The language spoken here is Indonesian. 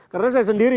karena saya sendiri